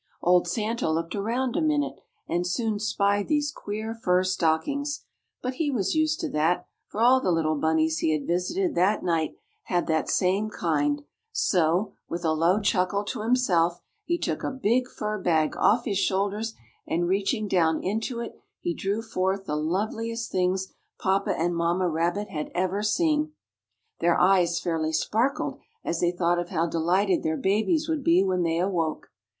Old Santa looked around a minute, and soon spied these queer fur stockings; but he was used to that, for all the little bunnies he had visited that night had that same kind, so, with a low chuckle to himself, he took a big fur bag off his shoulders and reaching down into it he drew forth the loveliest things papa and mamma rabbit had ever seen. Their eyes fairly sparkled, as they thought of how delighted their babies would be when they awoke.